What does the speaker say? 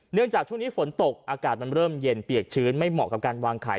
จากช่วงนี้ฝนตกอากาศมันเริ่มเย็นเปียกชื้นไม่เหมาะกับการวางไข่